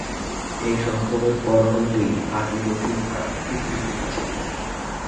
এই সঙ্গমের পর হইতেই ভাগীরথীর নাম হুগলি হইয়াছে।